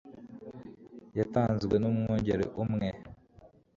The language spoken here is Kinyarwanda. yatanzwe n'umwungeri umwe